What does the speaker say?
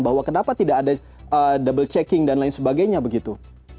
bahwa kenapa tidak ada double checking dan lain sebagainya begitu